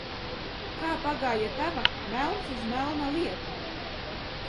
"Kā pagāja tava "melns uz melna" lieta?"